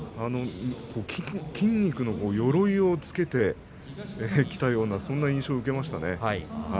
筋肉のよろいをつけてきたようなそんな印象を受けました。